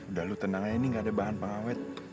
udah lu tenang aja ini gak ada bahan pengawet